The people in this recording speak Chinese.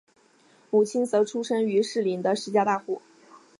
母亲则出身于士林的施家大户。